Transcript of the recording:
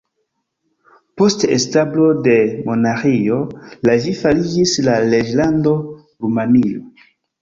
Post establo de monarĥio la ĝi fariĝis la Reĝlando Rumanio.